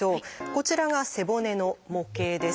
こちらが背骨の模型です。